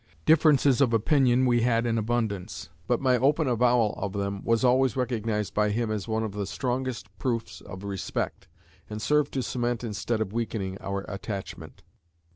Differences of opinion we had in abundance; but my open avowal of them was always recognized by him as one of the strongest proofs of respect, and served to cement instead of weakening our attachment.